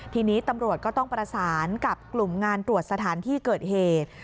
ทีนี้ตำรวจก็ต้องประสานกับกลุ่มงานตรวจสถานที่เกิดเหตุ